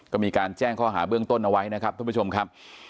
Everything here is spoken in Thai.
ก็มีการแจ้งข้อหาเบื้องต้นเอาไว้